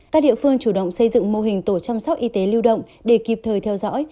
các địa phương chủ động xây dựng mô hình tổ chăm sóc y tế lưu động để kịp thời theo dõi